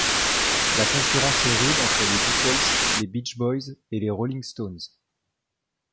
La concurrence est rude entre les Beatles, les Beach Boys et les Rolling Stones.